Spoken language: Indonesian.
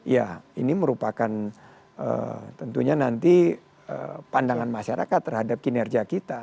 ya ini merupakan tentunya nanti pandangan masyarakat terhadap kinerja kita